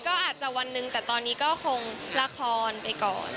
ก็อาจจะวันหนึ่งแต่ตอนนี้ก็คงละครไปก่อน